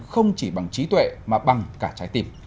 không chỉ bằng trí tuệ mà bằng cả trái tim